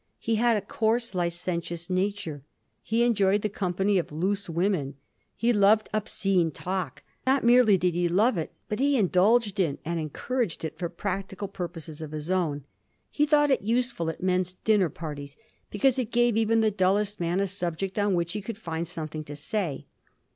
He had a coarse, licentious nature. He enjoyed the company of loose women. He loved obscene talk ; not merely did he love it, but he in dulged in and encouraged it for practical purposes of his own ; he thought it useful at men's dinner parties, because it gave even the dullest man a subject on which he could find something to say.